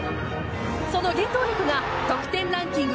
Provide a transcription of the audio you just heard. その原動力が得点ランキング